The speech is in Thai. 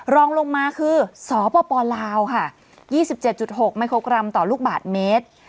รองลงมาคือสปลาวค่ะ๒๗๖มิโครกรัมต่อลูกบาทเมตร